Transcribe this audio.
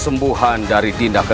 siapa saja percaya padaku